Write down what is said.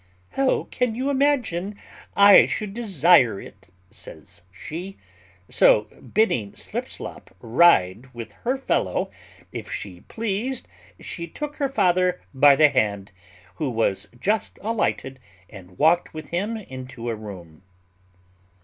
"How can you imagine I should desire it?" says she; so, bidding Slipslop ride with her fellow, if she pleased, she took her father by the hand, who was just alighted, and walked with him into a room.